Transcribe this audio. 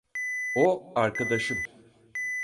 O arkadaşım.